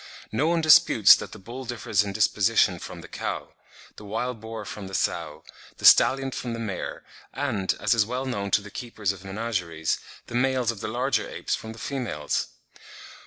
No one disputes that the bull differs in disposition from the cow, the wild boar from the sow, the stallion from the mare, and, as is well known to the keepers of menageries, the males of the larger apes from the females.